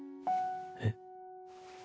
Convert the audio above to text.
えっ？